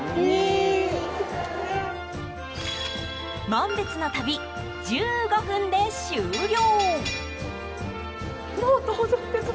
紋別の旅、１５分で終了。